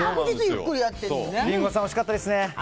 リンゴさん、惜しかったですね。